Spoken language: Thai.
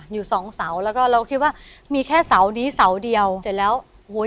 อยู่สองเสาแล้วก็เราคิดว่ามีแค่เสานี้เสาเดียวเสร็จแล้วโอ้โห